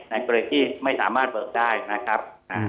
ในกรณีที่ไม่สามารถเบิกได้นะครับ